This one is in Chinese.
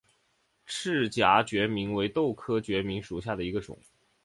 翅荚决明为豆科决明属下的一个种。